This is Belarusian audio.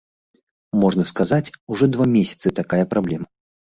Можна сказаць, ужо два месяцы такая праблема.